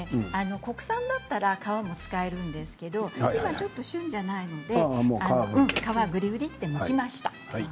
国産だったら皮も使えるんですけど今、旬じゃないので皮をぐりぐりってむきました。